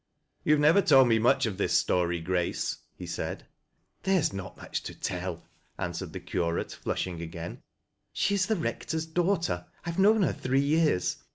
" You have never told me much of this story, Grace," he said. " There is not much to tell," answered the curate, flush mg again. " She is the Eector's daughter. I have known her three years.